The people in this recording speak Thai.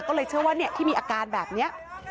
ก็เลยเชื่อว่าที่มีอาการแบบนี้